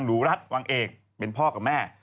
รัฐวังเอกเป็นพ่อกับแม่